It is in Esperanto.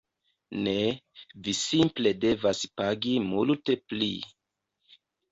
Ne, vi simple devas pagi multe pli